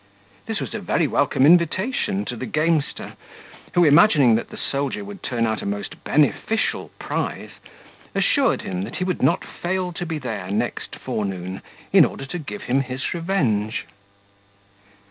This was a very welcome invitation to the gamester, who, imagining that the soldier would turn out a most beneficial prize, assured him, that he would not fail to be there next forenoon, in order to give him his revenge.